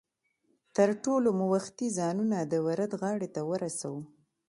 تر ټولو مو وختي ځانونه د ورد غاړې ته ورسو.